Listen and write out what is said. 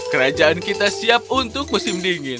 kerajaan kita siap untuk musim dingin